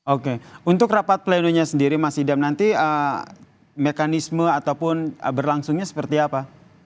oke untuk rapat plenonya sendiri mas idam nanti mekanisme ataupun berlangsungnya seperti apa